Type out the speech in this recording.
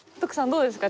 どうですか？